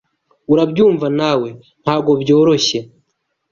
Urabyumva nawe ntagobyoroshye?